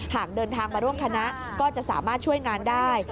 หากเดินทางมาร่วมคณะก็จะสามารถช่วยงานได้